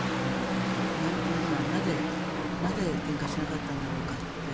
何が、なぜ点火しなかったんだろうかって。